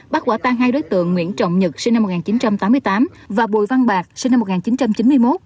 bắt quả tang hai đối tượng nguyễn trọng nhật sinh năm một nghìn chín trăm tám mươi tám và bùi văn bạc sinh năm một nghìn chín trăm chín mươi một